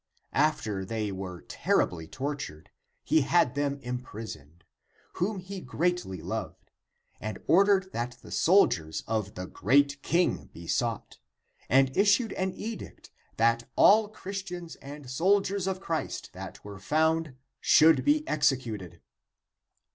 After they were terribly tortured, he had them imprisoned, whom he greatly loved, and ordered that the soldiers of the great King be sought, and issued an edict that all Christians and soldiers of Christ that were found, should be executed.